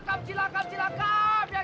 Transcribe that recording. kauincarnasi abilities ini nanti datang